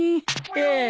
ええ。